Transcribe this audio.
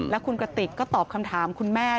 แล้วคุณกติกก็ตอบคำถามคุณแม่